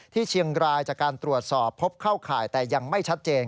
ที่เชียงรายจากการตรวจสอบพบเข้าข่ายแต่ยังไม่ชัดเจน